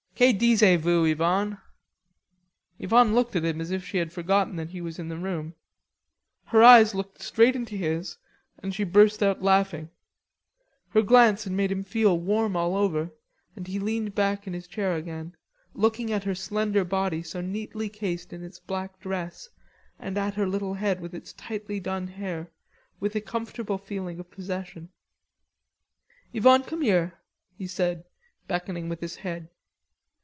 "Que disay vous, Yvonne?" Yvonne looked at him as if she had forgotten that he was in the room. Her eyes looked straight into his, and she burst out laughing. Her glance had made him feel warm all over, and he leaned back in his chair again, looking at her slender body so neatly cased in its black dress and at her little head with its tightly done hair, with a comfortable feeling of possession. "Yvonne, come over here," he said, beckoning with his head.